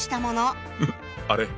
あれ？